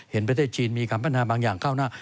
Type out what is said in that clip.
เห็นประเทศชีนมีคำพันธ์บางอย่างเก้าหน้า